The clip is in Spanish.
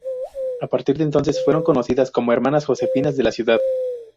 A partir de entonces fueron conocidas como Hermanas Josefinas de la Caridad.